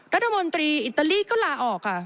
รัฐมนตรีอิตาลีก็ลาออกค่ะ